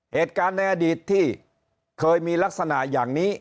เหตุการณ์ในอดีตที่เคยมีลักษณะอย่างนี้